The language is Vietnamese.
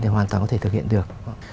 thì hoàn toàn có thể thực hiện được